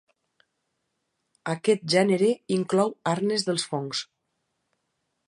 Aquest gènere inclou arnes dels fongs.